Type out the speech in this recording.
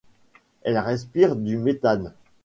Ils respirent du méthane.